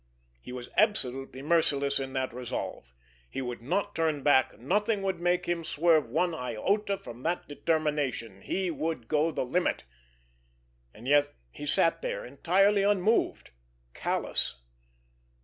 He was absolutely merciless in that resolve; he would not turn back, nothing would make him swerve one iota from that determination, he would go the limit—and yet he sat here entirely unmoved, callous.